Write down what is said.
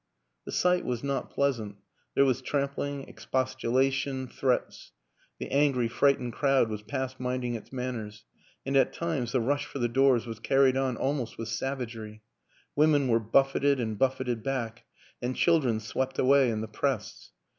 The sight was not pleasant there was trampling, expostulation, threats. The angry, frightened crowd was past minding its manners, and at times the rush for the doors was carried on almost with savagery; women were buffeted and buffeted back and children swept away in the press.